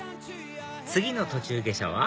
次の途中下車は？